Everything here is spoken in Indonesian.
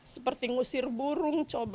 seperti ngusir burung coba